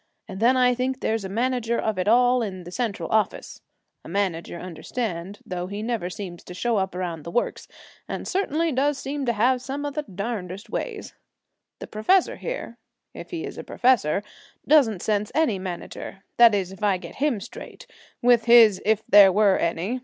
And then I think there's a manager of it all in the central office a manager, understand, though he never seems to show up around the works, and certainly does seem to have some of the darnedest ways. The professor here if he is a professor doesn't sense any manager; that is, if I get him straight, with his "if there were any."